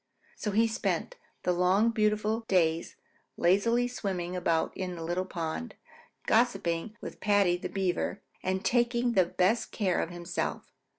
So he spent the long beautiful days lazily swimming about in the little pond, gossiping with Paddy the Beaver, and taking the best of care of himself.